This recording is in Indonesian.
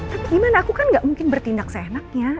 tapi gimana aku kan gak mungkin bertindak seenaknya